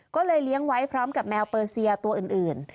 ก็เลยเลี้ยงไว้พร้อมกับแมวเปอร์เซียตัวอื่น